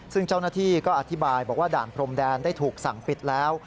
ซึ่งเจ้าหน้าที่ก็อธิบายบอกว่าด่านพรมแดนได้ถูกสั่งปิดแล้ว